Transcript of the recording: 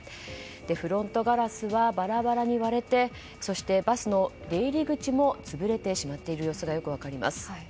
フロントガラスはバラバラに割れてそしてバスの出入り口も潰れてしまっている様子がよく分かります。